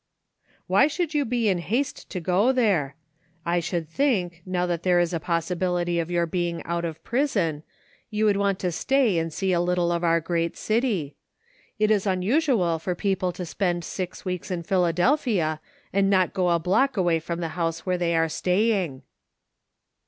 " Why should you be in haste to go there ? I should think, now that there is a possibility of your being out of prison, you would, want to stay and see a little of our great city. It is un usual for people to spend six weeks in Phila delphia and not go a block away from the house where they are staying."